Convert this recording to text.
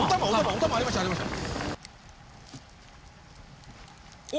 おたまありましたありました。